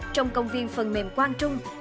trong công viên phần mềm quang trung